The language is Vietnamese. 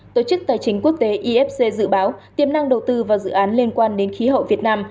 tổ chức tài chính quốc tế ifc dự báo tiềm năng đầu tư vào dự án liên quan đến khí hậu việt nam